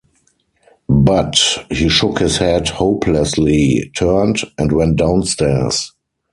"But —" He shook his head hopelessly, turned, and went downstairs.